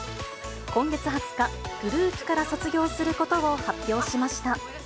今月２０日、グループから卒業することを発表しました。